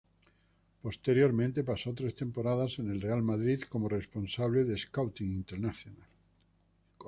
Posteriormente pasó tres temporadas en el Real Madrid como responsable de scouting internacional.